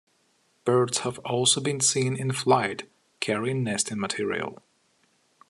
Birds have also been seen in flight carrying nesting material.